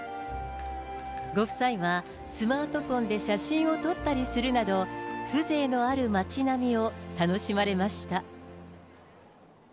ご夫妻はスマートフォンで写真を撮ったりするなど、風情のある街並みを楽しまれました。